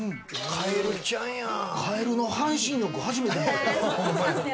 カエルの半身浴、初めて見た。